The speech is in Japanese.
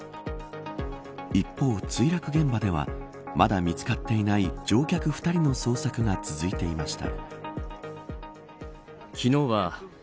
一方、墜落現場ではまだ見つかっていない乗客２人の捜索が続いていました。